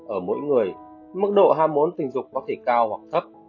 ở mỗi người mức độ ham muốn tình dục có thể cao hoặc thấp